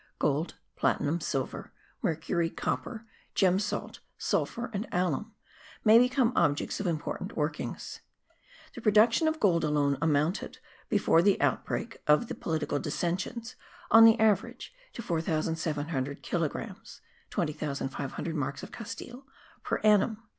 Gold, platinum, silver, mercury, copper, gem salt, sulphur and alum may become objects of important workings. The production of gold alone amounted, before the outbreak of the political dissensions, on the average, to 4700 kilogrammes (20,500 marks of Castile) per annum.